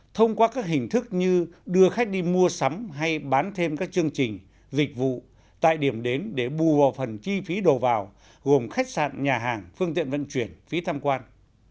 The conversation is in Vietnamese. thông qua các hình thức như đưa khách đi mua sắm hay bán thêm các chương trình dịch vụ tại điểm đến để bù vào phần chi phí đầu vào gồm khách sạn nhà hàng phương tiện vận chuyển phí tham quan